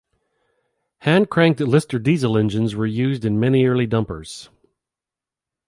Hand-cranked Lister diesel engines were used in many early dumpers.